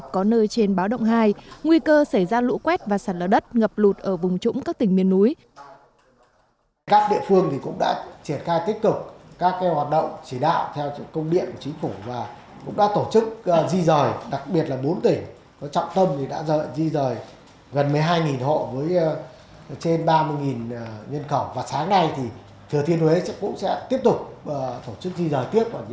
có nơi trên báo động hai nguy cơ xảy ra lũ quét và sạt lở đất ngập lụt ở vùng trũng các tỉnh miền núi